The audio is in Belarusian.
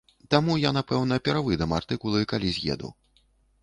Таму я, напэўна, перавыдам артыкулы, калі з'еду.